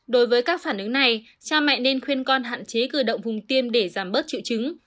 đối với các phản ứng này cha mẹ nên khuyên con hạn chế cử động vùng tiêm để giảm bớt triệu chứng